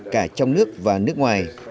cả trong nước và nước ngoài